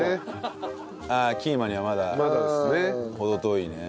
キーマにはまだ程遠いね。